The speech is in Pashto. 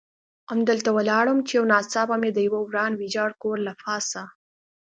همدلته ولاړ وم، چې یو ناڅاپه مې د یوه وران ویجاړ کور له پاسه.